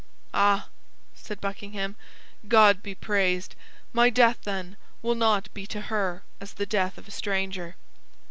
"Ah," said Buckingham, "God be praised! My death, then, will not be to her as the death of a stranger!"